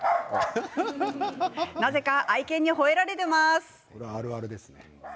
なぜか愛犬にほえられてます。